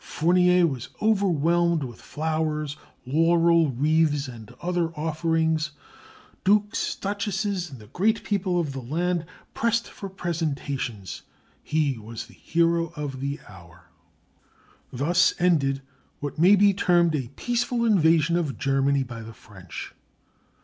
Fournier was overwhelmed with flowers, laurel wreaths, and other offerings; dukes, duchesses, and the great people of the land pressed for presentations; he was the hero of the hour. Thus ended what may be termed a peaceful invasion of Germany by the French.